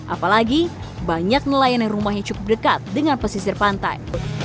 apalagi banyak nelayan yang rumahnya cukup dekat dengan pesisir pantai